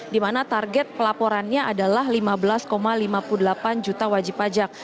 di mana target pelaporannya adalah lima belas lima puluh delapan juta wajib pajak